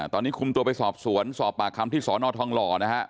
ตอนนี้คุมตัวไปสอบสวนสอบปากคำที่สอนอทองหล่อนะฮะ